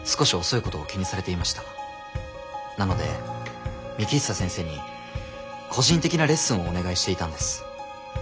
なので幹久先生に個人的なレッスンをお願いしていたんです。